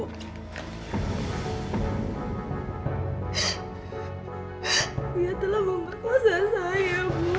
dia telah memperkosa saya bu